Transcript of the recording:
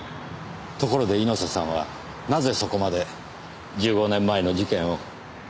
ところで猪瀬さんはなぜそこまで１５年前の事件を。